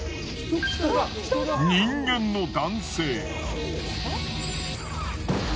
人間の男性。